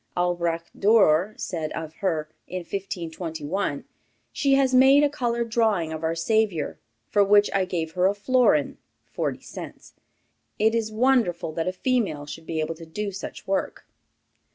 Albrecht Dürer said of her, in 1521: "She has made a colored drawing of our Saviour, for which I gave her a florin [forty cents]. It is wonderful that a female should be able to do such work."